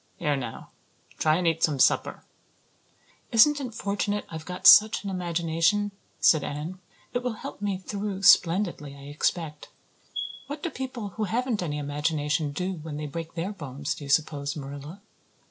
Here now, try and eat some supper." "Isn't it fortunate I've got such an imagination?" said Anne. "It will help me through splendidly, I expect. What do people who haven't any imagination do when they break their bones, do you suppose, Marilla?"